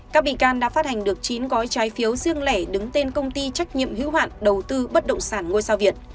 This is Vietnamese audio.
các bị can đã phát hành được chín gói trái phiếu riêng lẻ đứng tên công ty trách nhiệm hữu hạn đầu tư bất động sản ngôi sao việt